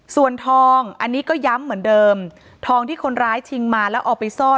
ส่วนทองอันนี้ก็ย้ำเหมือนเดิมทองที่คนร้ายชิงมาแล้วเอาไปซ่อน